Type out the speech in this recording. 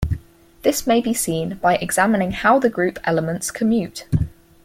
This may be seen by examining how the group elements commute.